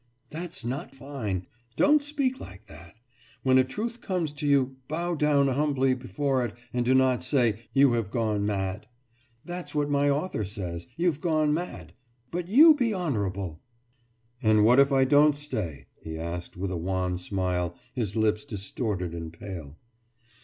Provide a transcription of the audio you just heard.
»That's not fine. Don't speak like that. When a truth comes to you, bow down humbly before it and do not say: 'You have gone mad.' That's what my author says, 'you've gone mad!' But you be honourable!« »And what if I don't stay?« he asked with a wan smile, his lips distorted and pale.